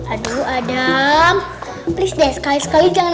aduh adam plus deh sekali sekali jangan